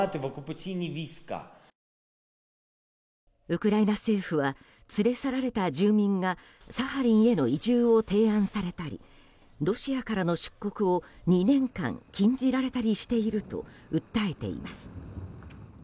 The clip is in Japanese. ウクライナ政府は連れ去られた住民がサハリンへの移住を提案されたりロシアからの出国を２年間、禁じられたりしていると訴えています。